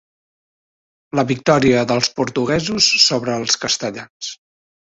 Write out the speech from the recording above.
La victòria dels portuguesos sobre els castellans.